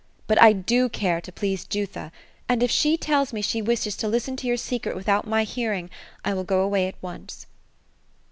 Bat I do care to please Jutlia ; and if she tells me she wishes to listen to jour secret without my hearing, I will go away at once."